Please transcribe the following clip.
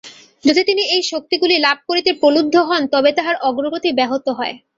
যদি তিনি এই শক্তিগুলি লাভ করিতে প্রলুব্ধ হন, তবে তাঁহার অগ্রগতি ব্যাহত হয়।